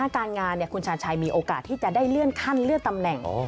การงานคุณชาญชัยมีโอกาสที่จะได้เลื่อนขั้นเลื่อนตำแหน่ง